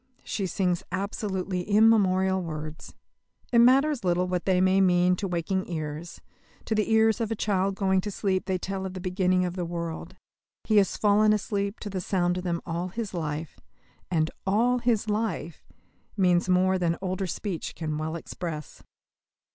She sings absolutely immemorial words. It matters little what they may mean to waking ears; to the ears of a child going to sleep they tell of the beginning of the world. He has fallen asleep to the sound of them all his life; and "all his life" means more than older speech can well express.